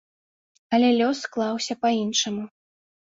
Але лёс склаўся па-іншаму.